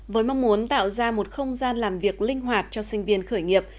với mong muốn tạo ra một không gian làm việc linh hoạt cho sinh viên khởi nghiệp